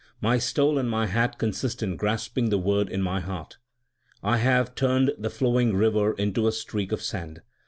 My stole and my hat consist in grasping the Word in my heart. I have turned the flowing river into a streak of sand.